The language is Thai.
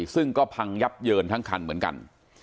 ซึ่งก็พังยับเยินทั้งคันเหมือนกัน